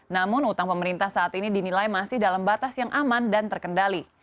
namun utang pemerintah saat ini dinilai masih dalam batas yang aman dan terkendali